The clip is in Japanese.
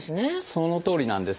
そのとおりなんですね。